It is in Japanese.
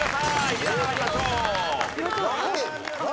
２段上がりましょう。